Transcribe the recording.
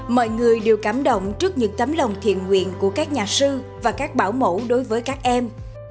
mọi người đều cảm động trước những tấm lòng thiện nguyện của các nhà sư và các bảo mẫu đối với các em